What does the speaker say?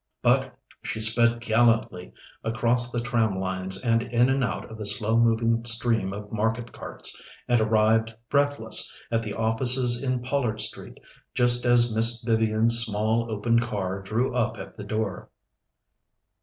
But she sped gallantly across the tram lines and in and out of the slow moving stream of market carts, and arrived breathless at the offices in Pollard Street just as Miss Vivian's small open car drew up at the door.